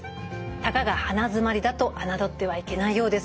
たかが鼻づまりだと侮ってはいけないようです。